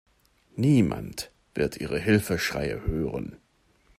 Niemand wird Ihre Hilfeschreie hören.